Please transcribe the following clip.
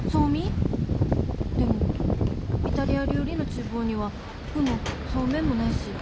でもイタリア料理の厨房には麩もソーメンもないし。